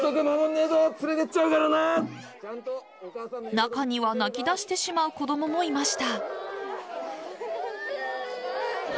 中には泣き出してしまう子供もいました。